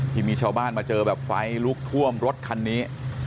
ที่มีชาวบ้านมาเจอแบบไฟลุกท่วมรถคันนี้